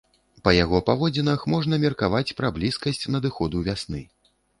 Па яго паводзінах можна меркаваць пра блізкасць надыходу вясны.